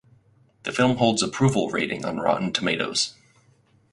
The film holds approval rating on Rotten Tomatoes.